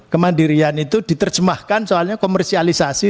kemandirian itu diterjemahkan soalnya komersialisasi